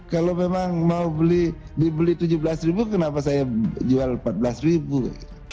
kalau memang mau dibeli rp tujuh belas ribu kenapa saya jual rp empat belas ribu